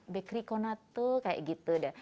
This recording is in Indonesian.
bekri konatu kayak gitu